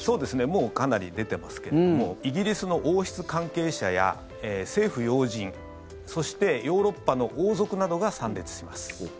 もうかなり出てますけれどもイギリスの王室関係者や政府要人そして、ヨーロッパの王族などが参列します。